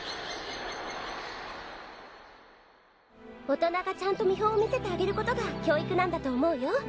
大人がちゃんと見本を見せてあげることが教育なんだと思うよ。